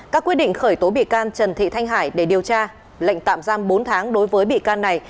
các quyết định khởi tố bị can trần thị thanh hải để điều tra lệnh tạm giam bốn tháng đối với bị can này